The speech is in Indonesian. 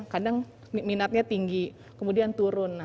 kadang minatnya tinggi kemudian turun